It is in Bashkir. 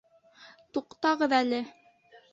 — Туҡтағыҙ әле.